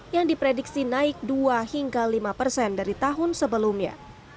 yang diprediksi naik dua hingga lima persen dari tahun sebelumnya